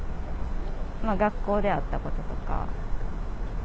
学校であったこととか。